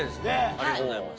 ありがとうございます。